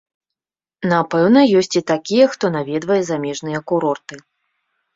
Напэўна, ёсць і такія, хто наведвае замежныя курорты.